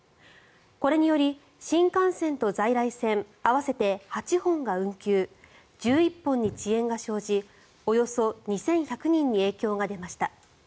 これにより、新幹線と在来線合わせて８本が運休１１本に遅延が生じおよそ２１００人に影響が出ました。